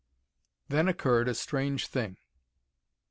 Then occurred a strange thing.